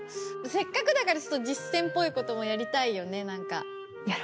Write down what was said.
せっかくだからちょっとじっせんっぽいこともやりたいよねなんか。